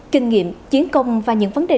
kinh nghiệm chiến công và những vấn đề